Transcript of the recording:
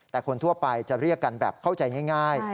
แต่คนทั่วไปจะเรียกกันแบบเข้าใจง่าย